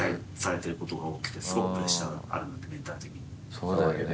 そうだよね。